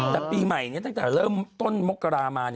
แต่ปีใหม่นี้ตั้งแต่เริ่มต้นมกรามา